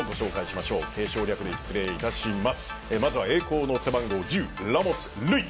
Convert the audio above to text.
まずは栄光の背番号１０、ラモス瑠偉。